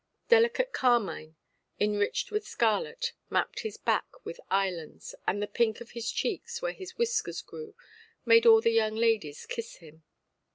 Delicate carmine, enriched with scarlet, mapped his back with islands; and the pink of his cheeks, where the whiskers grew, made all the young ladies kiss him.